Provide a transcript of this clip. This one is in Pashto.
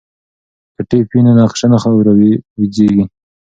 که ټیپ وي نو نقشه نه راویځیږي.